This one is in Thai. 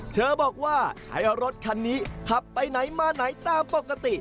เธอบอกว่าใช้รถคันนี้ขับไปไหนมาไหนตามปกติ